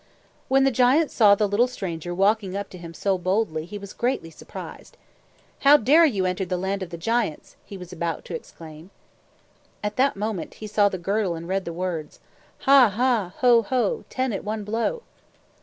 When the giant saw the little stranger walking up to him so boldly, he was greatly surprised. "How dare you enter the land of the giants!" he was about to exclaim. At that moment, he saw the girdle and read the words: Ha, ha! Ho, ho! Ten at one blow.